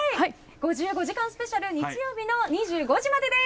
５５時間スペシャルは日曜日の２５時までです！